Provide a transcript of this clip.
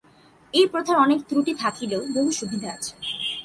এই প্রথার অনেক ত্রুটি থাকিলেও বহু সুবিধা আছে।